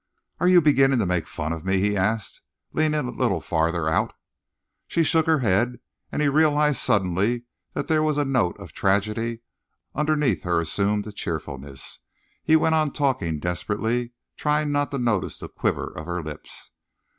"Are you beginning to make fun of me?" he asked, leaning a little farther out. She shook her head, and he realised suddenly that there was a note of tragedy underneath her assumed cheerfulness. He went on talking desperately, trying not to notice the quiver of her lips.